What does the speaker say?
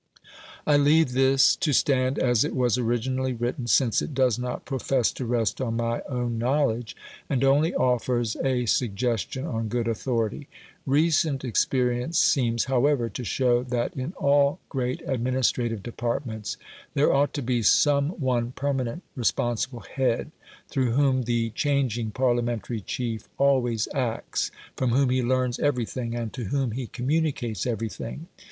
I leave this to stand as it was originally written since it does not profess to rest on my own knowledge, and only offers a suggestion on good authority. Recent experience seems, however, to show that in all great administrative departments there ought to be some one permanent responsible head through whom the changing Parliamentary chief always acts, from whom he learns everything, and to whom he communicates everything.